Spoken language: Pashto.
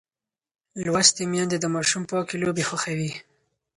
لوستې میندې د ماشوم پاکې لوبې خوښوي.